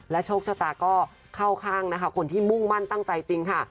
โชคชะตาก็เข้าข้างนะคะคนที่มุ่งมั่นตั้งใจจริงค่ะ